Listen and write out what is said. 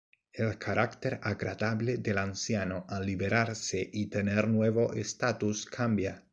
El carácter agradable del anciano, al liberarse y tener nuevo estatus, cambia.